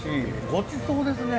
ごちそうですね。